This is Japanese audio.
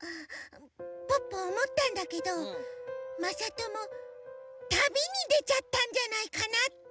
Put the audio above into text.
ポッポおもったんだけどまさとも旅にでちゃったんじゃないかなって。